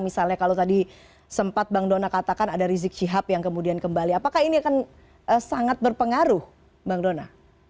misalnya kalau tadi sempat bang dona katakan ada rizik syihab yang kemudian kembali apakah ini akan sangat berpengaruh bang dona